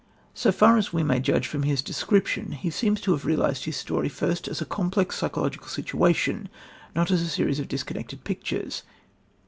So far as we may judge from his description, he seems to have realised his story first as a complex psychological situation, not as a series of disconnected pictures.